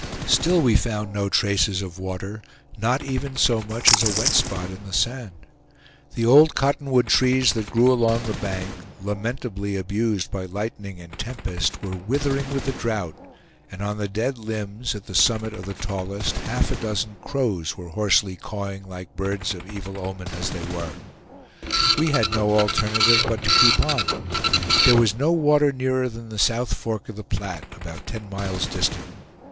Still we found no traces of water, not even so much as a wet spot in the sand. The old cotton wood trees that grew along the bank, lamentably abused by lightning and tempest, were withering with the drought, and on the dead limbs, at the summit of the tallest, half a dozen crows were hoarsely cawing like birds of evil omen as they were. We had no alternative but to keep on. There was no water nearer than the South Fork of the Platte, about ten miles distant.